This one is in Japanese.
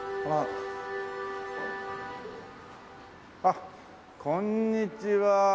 あっこんにちは。